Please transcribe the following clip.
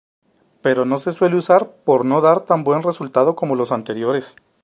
Pero no se suele usar por no dar tan buen resultado como los anteriores.